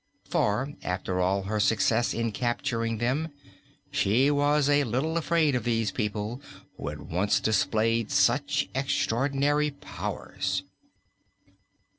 For, after all her success in capturing them, she was a little afraid of these people who had once displayed such extraordinary powers.